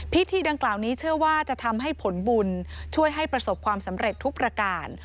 พิธีดังกล่าวนี้เชื่อว่าจะทำให้ผลบุญช่วยให้ประสบความสำเร็จทุกประการ